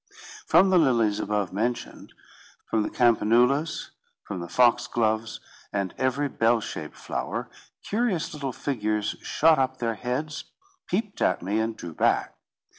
From the lilies above mentioned, from the campanulas, from the foxgloves, and every bell shaped flower, curious little figures shot up their heads, peeped at me, and drew back.